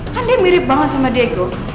kan dia mirip banget sama diego